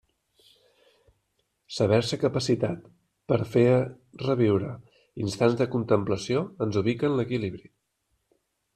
Saber-se capacitat per a fer reviure instants de contemplació ens ubica en l'equilibri.